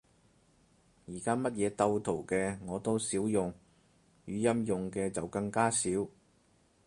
而家乜嘢鬥圖嘅，我都少用，語音用嘅就更加少